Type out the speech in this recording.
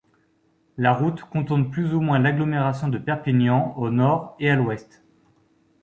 La route contourne plus ou moins l'agglomération de Perpignan au nord et à l'ouest.